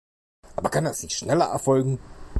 Aber kann das nicht schneller erfolgen?